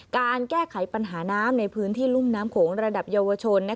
การแก้ไขปัญหาน้ำในพื้นที่รุ่มน้ำโขงระดับเยาวชน